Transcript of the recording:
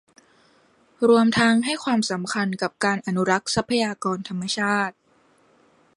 รวมทั้งให้ความสำคัญกับการอนุรักษ์ทรัพยากรธรรมชาติ